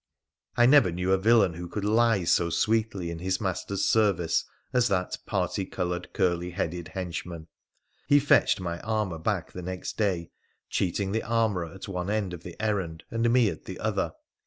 I never knew a villain who could lie so sweetly in his master's service as that particoloured, curly headed henchman. He fetched my armour back the next day, cheating the armourer at one end of the errand and me at the other.